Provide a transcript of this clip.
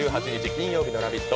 金曜日の「ラヴィット！」。